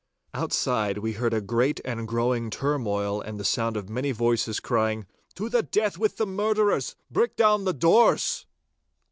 Outside we heard a great and growing turmoil and the sound of many voices crying 'To the death with the murderers! Break down the doors!